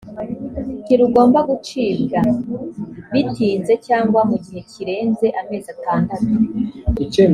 ntirugomba gucibwa bitinze cyangwa mu gihe kirenze amezi atandatu